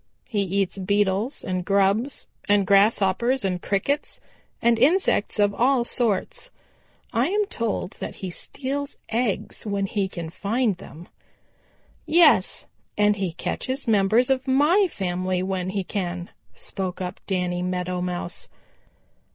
He eats Beetles and grubs and Grasshoppers and Crickets and insects of all sorts. I am told that he steals eggs when he can find them." "Yes, and he catches members of my family when he can," spoke up Danny Meadow Mouse.